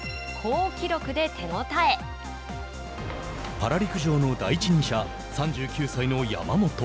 パラ陸上の第一人者３９歳の山本。